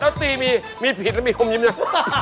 ใช่แล้วตีมีมีผิดแล้วมีห่มยิ้มอยู่